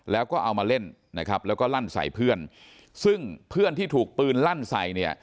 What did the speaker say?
แล้วก็เอามาเล่นนะครับแล้วก็ลั่นใส่เพื่อนซึ่งเพื่อนที่ถูกปืนลั่นใส่เนี่ย